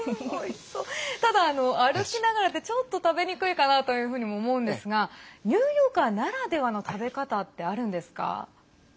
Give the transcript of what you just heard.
ただ歩きながらって、ちょっと食べにくいかなというふうにも思うんですがニューヨーカーならではの食べ方ってあるんですか？